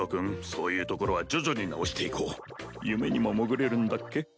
そういうところは徐々に直していこう夢にも潜れるんだっけ？